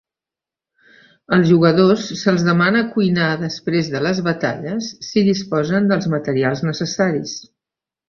Als jugadors se'ls demana cuinar després de les batalles si disposen dels materials necessaris.